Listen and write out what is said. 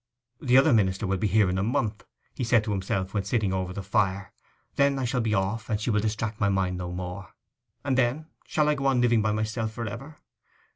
'The other minister will be here in a month,' he said to himself when sitting over the fire. 'Then I shall be off, and she will distract my mind no more! ... And then, shall I go on living by myself for ever?